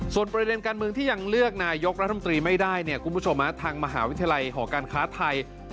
ส่วนประเด็นการเมืองที่ยังเลือกนายกรัฐมนตรีไม่ได้เนี่ยคุณผู้ชมทางมหาวิทยาลัยหอการค้าไทย